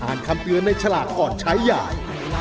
คำเตือนในฉลากก่อนใช้ใหญ่